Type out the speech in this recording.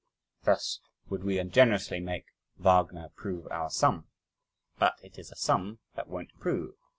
Thus would we ungenerously make Wagner prove our sum! But it is a sum that won't prove!